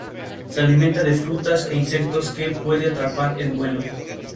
El mirto está muy expandido en la región mediterránea.